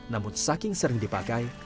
namun saking sering dipakai